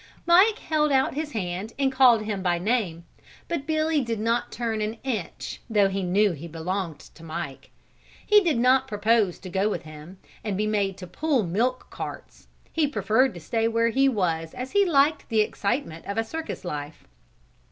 Mike held out his hand and called him by name, but Billy did not turn an inch though he knew he belonged to Mike. He did not propose to go with him and be made to pull milk carts. He preferred to stay where he was as he liked the excitement of a circus life.